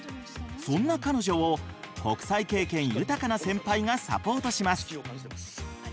そんな彼女を国際経験豊かな先輩がサポートします。